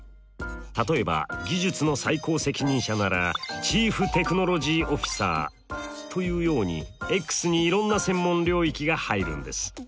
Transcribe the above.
例えば技術の最高責任者ならチーフテクノロジーオフィサーというようにｘにいろんな専門領域が入るんです。